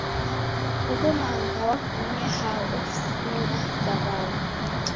Uhu manga wafumie hao? Osinga sa wa w'awa.